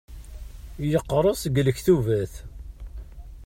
Yeqres deg lektubat.